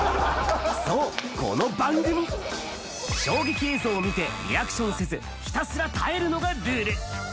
そう、この番組、衝撃映像を見て、リアクションせず、ひたすら耐えるのがルール。